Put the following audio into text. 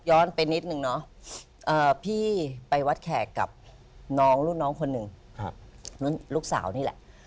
ไปนิดนึงเนาะพี่ไปวัดแขกกับน้องรุ่นน้องคนหนึ่งลูกสาวนี่แหละ